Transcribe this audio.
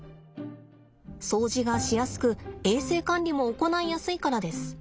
掃除がしやすく衛生管理も行いやすいからです。